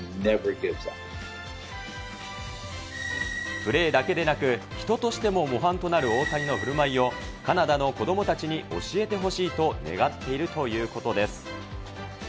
プレーだけでなく、人としても模範となる大谷のふるまいを、カナダの子どもたちに教えてほしいと願っているということです。